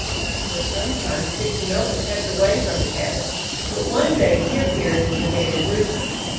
For some time Tixinopa kept away from the cabin, but one day he appeared and demanded whiskey.